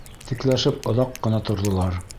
Текләшеп оҙаҡ ҡына торҙолар.